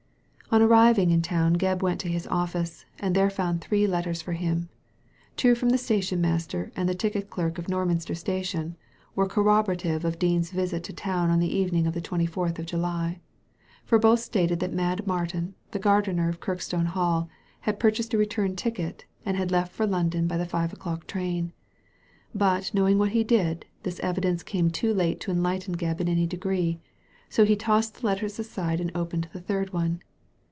On arriving in town Gebb went to his office, and there found three letters for him. Two, from the station master and the ticket clerk of Norminster Station, were corroborative of Dean's visit to town on the evening of the twenty fourth of July ; for both stated that Mad Martin, the gardener of Kirk stone Hall, had purchased a return ticket, and had left for London by the five o'clock train. But know ing what he did, this evidence came too late to enlighten Gebb in any degree^ so he tossed the letters aside and opened the third one.